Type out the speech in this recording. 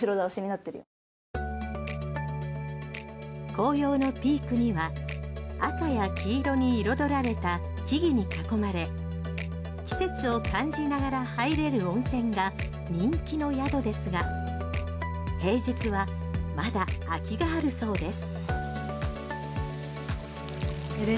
紅葉のピークには赤や黄色に彩られた木々に囲まれ季節を感じながら入れる温泉が人気の宿ですが平日はまだ空きがあるそうです。